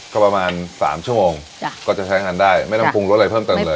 ก็ประมาณ๓ชั่วโมงก็จะใช้งานได้ไม่ต้องปรุงรสอะไรเพิ่มเติมเลย